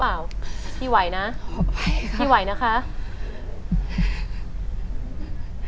การมาทักทาย